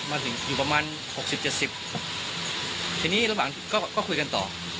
มาถึงอยู่ประมาณหกสิบเจ็ดสิบหกทีนี้ระหว่างก็ก็คุยกันต่อ